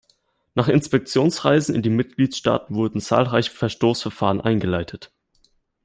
Nach Inspektionsreisen in die Mitgliedstaaten wurden zahlreiche Verstoßverfahren eingeleitet.